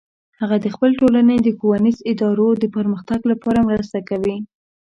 هغه د خپل ټولنې د ښوونیزو ادارو د پرمختګ لپاره مرسته کوي